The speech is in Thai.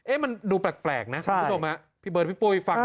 เอ๊ะมันดูแปลกนะพี่ผู้ชมไหมอะพี่เบิร์ทพี่ปุ๋ยฟังอ่ะ